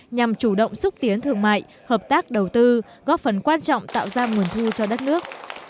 nhằm chủ động xúc tiến thương mại hợp tác đầu tư góp phần quan trọng tạo ra nguồn thu cho đất nước